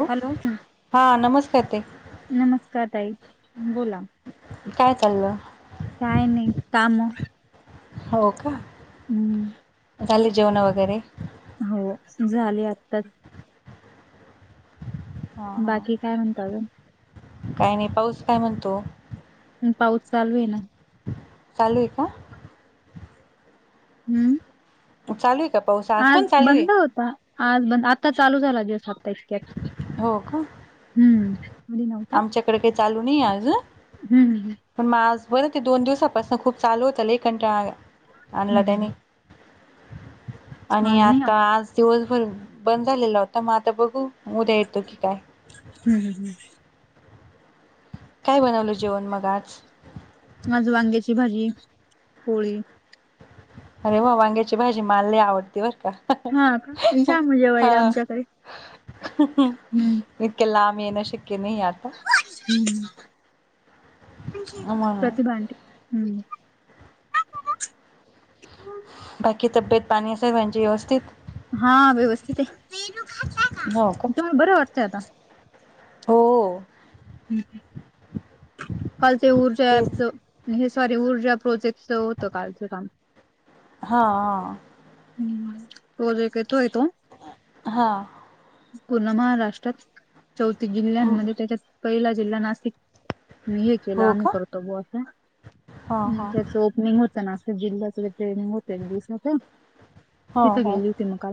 ह हॅलो हा नमस्कार ते. नमस्कार ताई बोला. काय चाललं. काय नाही काम. हो का... हम्म. झाले जेवणं वगैरे... हो झाले आत्ताच. हा हा बाकी काय म्हणतात.. काय नाही पाऊस काय म्हणतो. पाऊस चालू आहे ना. चालू आहे का. हम्म... मग चालू आहे का पाऊस. आज पण चालू बंद आहे होता आज बंद आता चालू झाला दिवस आता इतक्यात. हो का हम्म आधी नव्हता आमच्याकडे काही चालू नाही आज. हम्म पण आज बरं दोन दिवसापासून खूप चालू होत लई कंटाळा हम्म आणला हम्म त्यानी. आणि आज नाही आला आता आज दिवसभर बंद झालेला होता मग आता बघू. उद्या येतो की काय. हम् हम हम्.. काय बनवल जेवण मग आज. माझ वांग्याची भाजी पोळी. अरे वा वांग्याची भाजी मला लई आवडती बर का. हा का छान जेवायला आमच्याकडे. इतके लाब येणे शक्य आता. हम्म म्हणून प्रतिभां हम्म. बाकी तब्येत पाणी असेल सगळ्यांची व्यवस्थित. हा व्यवस्थित आहे हो का तुम्हाला बरं वाटतय आता. हो हम् ह.. कालचे ऊर्जा तेच पच हे सॉरी ऊर्जा प्रोजेक्टच होतं कालचं काम. हा.. हम् हां... पूर्ण महाराष्ट्रात चौथीसजिल्ह्यांमध्ये त्याच्यात पहिला जिल्हा नाशिक. मी हे केलं हो आम्ही का करतो बों हा हा त्याच ओपनिंग होत. नाशिक जिल्ह्याच होते गस हो तिथे हो गेली होती मग.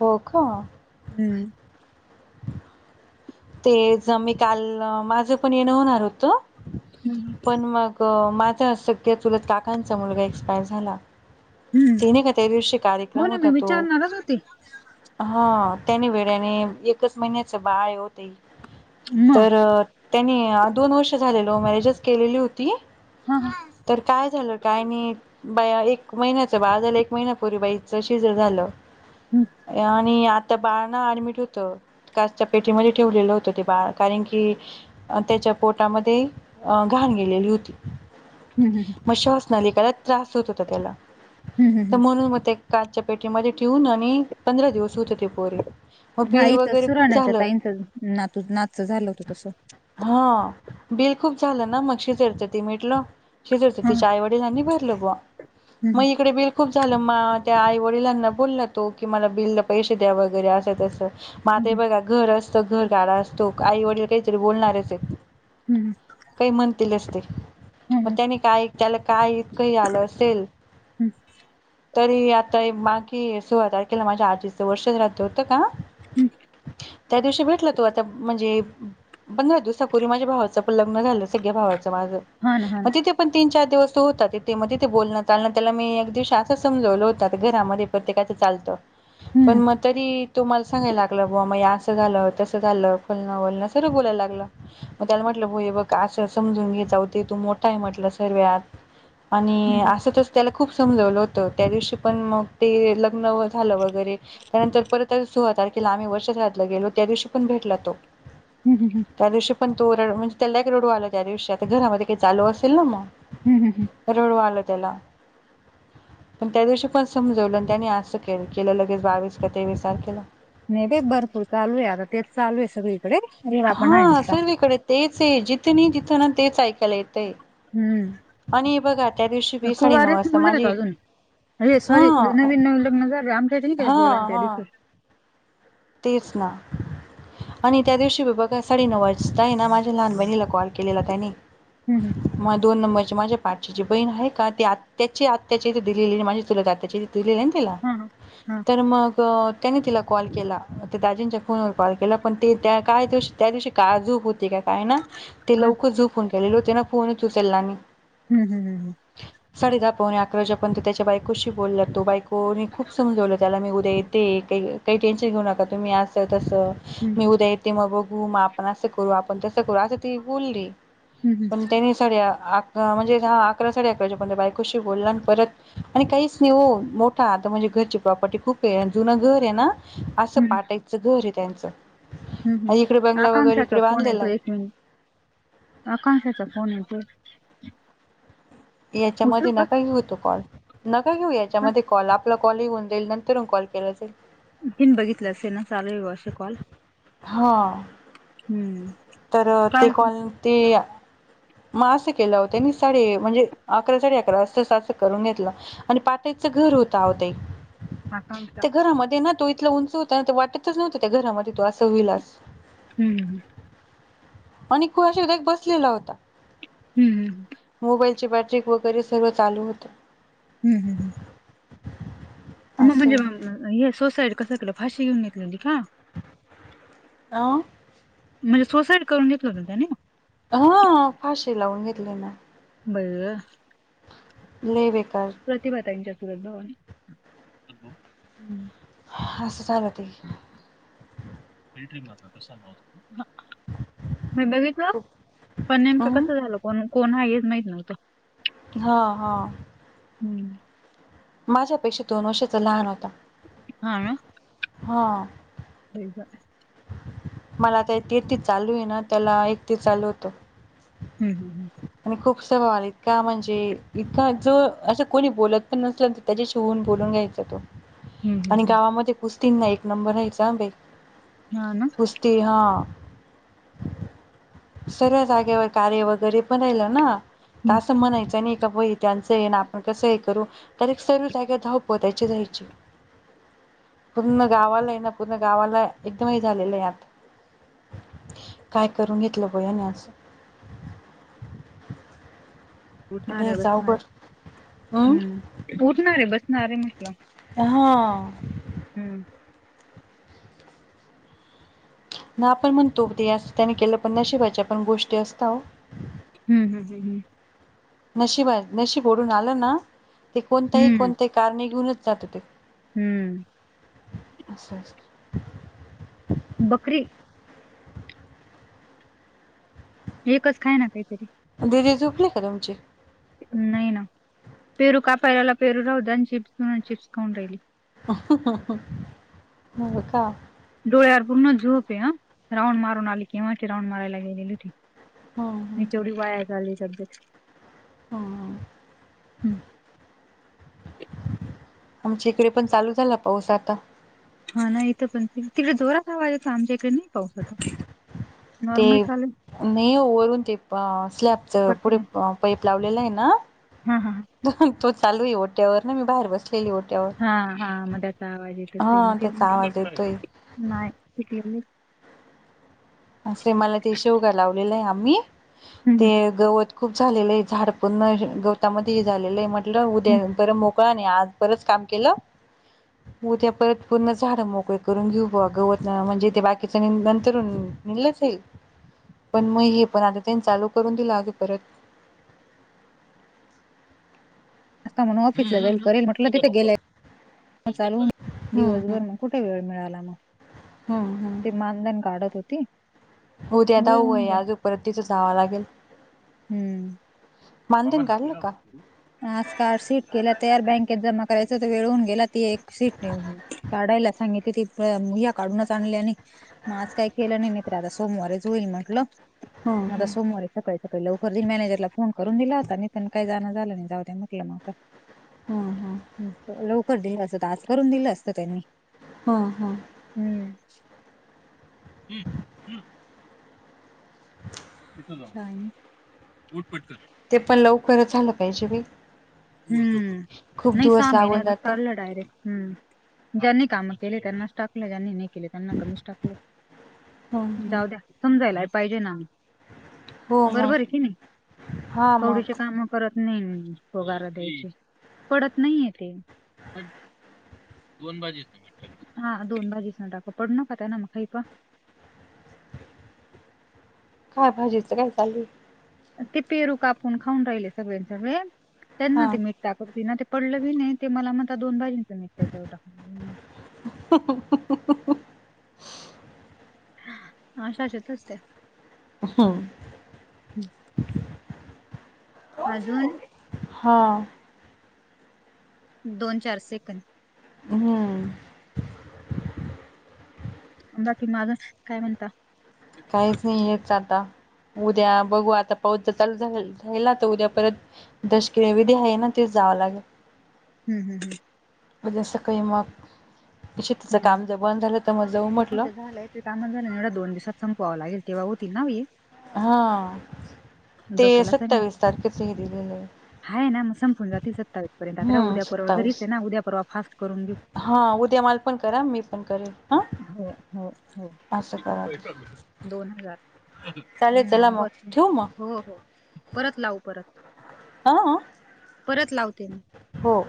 हो का.. हम्म... ते ज मी काल माझं पण येणं होणार होत हम्म पण मग. माझं तुलत काकांचा मुलगा एक्सपायर झाला. तेनाही का त्या दिबशी हो कार्यक्रम ना मी होता तो. विचारणारच होते हा त्यानी वेळेने एकच महिन्याच बाळ आहे ओ ते मग तर त्याने दोन वर्ष झाले लव मॅरेजच केलेली होती हा हा तर काय झालं काय नाही बाया एक महिन्याचं बाळ झालं एक महिना्यापूर्वी बाईचं सिजर झालं. हम्म आणि आता बाळ ना ऍडमिट होत काचच्या पेटीमध्ये ठेवलेलं होतं ते बाळ कारण की त्याच्या पोटामध्ये घाण गेलेली होती. हम हम मग श्वासनलिकात त्रास होत होता त्याला हम्म तर हम्म म्हणून मग ते काचच्या पेटीमध्ये ठेऊून आणि पंधरा दिवस होते ते पोरी, मग हा बिल इथं वगैरे खूप सुराण्याच्या झालं ताईचं नातू नातच झालं होतं तस, हा बिल खूप झालं ना मकग सिजरच ते मिटलं, सिजरच हा तिच्या आईवडलानी भरलं बुवा मग हम्म इकडे बिल खूप झालं मग त्या आई वडिलांना बोलला तो की मला बिलला पैसे द्या वगैरे असं तसं मग आता हे हम्म बघा घर असतं घर गाड असतो आई वडील काहीतरी बोलणारच आहेत हम् काही म्हणतीलच ते, मग हम्म त्याने काय त्याला काय इतकंही आलं असेल हम्म तरी आता बाकी सोळा तारखेला माझ्या आजीचं वर्ष श्राध्द होतं का हम् त्या दिवशी भेटला तो आता म्हणजे पंधरा दिवसापूर्वी माझ्या भावाचं पण लग्न झालं सक्क्याभावाचं माझ हा ना हा ना. मग तिथे पण तीन चार दिवस तो होता तेथे मग तिथे बोलण चालण त्याला मी एक दिवशी असं समजवलं होत घरामध्ये प्रत्येकाच चालत पण हम्म, मग तरी तो मला सांगायला लागला बुआ मग हे असं झालं तसं झाालं फण वोलण सर्व बोलाय लागलं. मग त्याला म्हटलं भोय हे बघ असं समजून घे जाऊदे तू मोठा आहे म्हटलं सर्व्यात हं, आणि हं, असं तस त्याला खूप समजवलं होतं त्या दिवशी पण मग ते लग्न झालं वगैरे त्यानंतर परत सोळा तारखेला आम्ही वर्ष श्राध्द गेलो त्या दिवशी पण भेटला तो हंम त्या दिवशी पण तो रड म्हणजे त्याला एक रडू आला त्या दिवशी आता घरामध्ये काही चालू असेल ना मग हम् हम हम रडू आलं त्याला पण त्या दिवशी पण समजवलं आणि त्यानी असं केलं केलं लगेच बावीस का तेवीसार तारखेला. नाही रे भरपूर चालू आहे आता तेच चालू आहे सगळीकडे, रेवा पण आहे हा नुसता. सर्वीकडे तेच हे जिथं नाही जिथं तेच ऐकायला येतय. हम्म आणि बघा त्या दिवशी बी साडे नऊ वाजता माझे अरे सॉरी नवीन नवीन लग्न झाल्य आमच ठीक हे हा बोलान हा [unintelligible] तेच ना, आणि त्या दिवशी ब बघा साडे नऊ वाजताय ना माझ्या लहान बहिणीला कॉल केलेला त्यानी, हम् ह मग दोन नंबरचे माझ्या पाठशची बहीण आहे का ती आत्त्याची आत्त्याची ते दिलेली माझी चुलत आत्ताची दिलेलं आहे ना तिला हां, हां. हां, तर मग त्याने तिला कॉल केला त्या दाजींच्या फोनवर कॉल केला पण ते त्या काय दिवशी त्या दिवशी काळ झोप होती काय काय ना ते हां, लवकर झोपून गेलेले होते ना फोनच उचलला नाही. हम्म हम्म हम्म साडे दहा पावणे अकरा वाजेपर्यंत त्याच्या बायकोशी बोलला तो बायक हो नाही खूप समजवलं त्याला मी उद्या येते काही काही टेन्शन घेऊ नका तुम्ही असं तसं हं, मी उद्या येते मग बघू मग आपण असं करू आपण तसं करू असं ती बोलली हं, हं, पण त्याने साडे म्हणजे हा अकरा साडे अकराच्या पहिला बायकोशी बोलला आणि परत आणि काहीच नाही हो मोठा आता म्हणजे घरची प्रॉपर्टी खूप आहे जुनं घर हे ना असं पाटायचं घर आहे त्यांचं हम्म आणि इकडे हम् बंगला वगैरे आकांक्षाचा इकडे फोन बांधलेला येतोय आहे एक मिनिट आकांक्षाचा फोन येतोय उचलू याच्यामध्ये का? नका घेऊ तो कॉल नका घेऊ का? याच्यामध्ये कॉल आप ला कॉलही होऊन जाईल नंतरून कॉल केला जाईल. तीन बघितलं असेल ना चालू हाय बुवा असं कॉल हा हम्म तर काय ते होतं कॉल ते मग असं केलं हो त्यांनी साडे म्हणजे अकरा साडे अकरा असं असं करून घेतला. आणि पातळीच घर होतं आओ ताई आकांक्षा त्या घरामध्ये ना तो इथला उंच ह ता वाटतच नव्हतं त्या घरामध्ये तो असं होईल असं. हम्म हम्म आणि खू अशा एक बसलेला होता हम्म हम्म मोबाईलची बॅटरी वगैरे सर्वं चालू होतं. हम् हम् हम अ्नं असं म्हणजे हे सुसाइड कसं केलं फाशी घेऊन घेतलेली का? आं म्हणजे सुसाईड करून घेतलं होता त्याने? हा फाशी लावून घेतली ना बई गं लई बेकार प्रतिभाताईंच्या चुलत भावाने हो हम्म हा असं झालं ते [unintelligible] मी बघितलं खूप पण नेमकं अं कसं झालं कोण कोण हाय हेच माहित नव्हतं. हा हा हम्म माझ्यापेक्षा दोन वर्षाचा लहान होता. हा हा [unintelligible] मला आता तेहत्तिस चालू आहे ना त्याला एकतिस चालू होतं. हम्म आणि खूपसा इतका म्हणजे इतका जो असं कोणी बोलत पण नसले पजेशीव्ह होऊन बोलून घ्यायचा तो हम्म, हम्म, आणि हम्म. गावामध्ये कुस्तीन ना एक नंबर घ्यायचा बाई हा ना ते हा सर्वा जागेवर कार्य वगैरे पण राहिला ना त हम्म. असं म्हणायचं नाही का बई त्यांच हे ना आपण कस हे करू, तर एक सर्व जाग्या धावपळ त्याचीच व्हायची. पूर्ण गावाला ये ना, पूर्ण गावाला एकदम हे झालेलं आहे आत, काय करून घेतलं बया न अस उठणार आहे लयच बसणार, अवघड अं? हम्म उठणार, बसणार म्हटलं हा हम्म न आपण म्हणतो ते अस त्यान केलं पण नशिबाच्या पण गोष्टी असता ओ. हम्म हं हं हं नशीब हाय, नशीब ओढवून आलं ना ते कोणतही हम्म कोणत्याही कारण घेऊनच जात ते. हम्म. असय सग बकरी एकच खाय ना काहीतरी. दिदी झोपली का तुमची? नाही ना, पेरू कापयला लावला पेरू राहू दया आणि चिप्स अन चिप्स खाऊन राहिली. हो का. डोळ्यावर पूर्ण झोप ये हा, राऊंड मारून आली केव्हाची राऊंड मारायला गेलेली होती. हम्म नी हम्म तेवढी वाया झाली सध्याची हा हा आमच्या इकडे पण चालू झाला पाऊस आता. हा ना, इथं पण तिकडे जोरात हवा येत, आमच्या इकडे नाही पाऊस आता. ते नॉर्मल चालू आहे. नाही ओ वरून ते प स्लॅपच पुढे पत्र्या प पईप लावलेला आहे ना हा हा हा तो चालू आहे ओट्यावर ना मी बाहेर बसली लेली ओट्यावर. हा हा त्याचा आवाज येत असेल म, हा त्याचा तेच आवाज येतोय नाही पिकलेले असे मला ते शेवगा लावलेलं आहे आम्ही, हम्म ते गवत खूप झालेलं आहे झाड पण म्हणजे गवतामध्ये हे झालेलं हे म्हटलं, हम्म उद्या बरं मोक बायांनी आज बरच काम केल. उद्या परत पूर्ण झाडं मोकळे करून घेऊ बॉ, गवत म्हणजे ते बाकीच नी नंतरून नींघलच ये, पण मग हे पण आता त्यांनी चालू करून दिल अग परत असता म्हणून ऑफिसला जाईल करेल म्हटलं तिथे गेले चालू होऊन, हम्म दिवसभर मग कुठे वेळ मिळाला मग. हं हं ती मानधन काढत होती उद्या वेळ दहाव होऊन ये गेला आजू परत तिथ जाव लागेल. हम्म, मानधन बाबांना काढलं केला होता का तू? आज कार्ड शीट केला तयार बँकेत जमा करायच तर वेळ होऊन गेला, ती एक शीट हे काढायला सांगितले ती प, ह्या काढूनच आणल्या नाही. मग आज काही केलं नाही, नाहीतर आता सोमवारीच होईल म्हटलं हम्म आता हम्म सोमवारी सकाळी सकाळी लवकर देईल मॅनेजरला फोन करून दिला होता नी त्यांना काय जाण झालं नाही जाऊदया म्हंटल म आता. हम्म हम्म दिलं असत तर आज करून दिल असत त्यांनी हा हा हम्म तिथ जावा उठ पटकन [inaudible] ते पण लवकर झालं पाहिजे बाई. हम्म, खूप नाही दिवस सहा महिन्या लागून आता जातं चाले डायरेक्ट. हम्म ज्यांनी काम केले, त्यांनाच टाकलं ज्यांनी नाही केले- त्यांना कमीच टाकलय. हम्म हम्म जाऊ द्या समजायला पाहिजे ना. हो बरोबर आहे मग कि नाही, हा कवडीचे मग काम करत नाही. पडत नाहीये ते. दोन भाजीसन मीठ हा दोन भाजीसन टाका पडू नका [unintelligible] काय भाजीचं काय चालू आहे. ते पेरू कापून खाऊन राहिले सगळे हा त्यांना ते मिठ- त्याकरती ना ते पडलं भी नाही ते मला म्हणतात दोन भाजींचं मीठ त्याच्यावर टाकवून- [unintelligible] अश्या असतातच त्या. हो [inaudible] अजून हा दोन चार सेकंद. हम्म बाकी [unintelligible] काय म्हणता? काहीच नाही येत आता. उद्या बघू आता पाऊस जर चालू झाला ना राहिला तर उद्या परत- दशक्रिया विधी आहे ना ते जावं लागल. हम्म हम्म उद्या सकाळी मग शेतीच हम्म हम्म. काम जर बंद झालं तर मग जाऊ नाही म्हंटल. तर झालंय ते कामच झालं दोन दिवसात संपवाव लागेल तेव्हा होती ना ती. हा ते सत्तावीस तारखेच हे दिलेलं आहे. हाय ना मग संपून जातील सत्तावीस पर्यंत आता का हम्म उद्या परवा घरीच सत्तावीस आहे ना. उद्या परवा फास्ट करून घेऊ. हा उद्या मला पण करा मी पण करेन. हो हो हो करा दोन हजार. चालेल चला हम्म, मग बस ठेऊ मग. हो हो परत लावू परत. हा अं परत लावते म. हो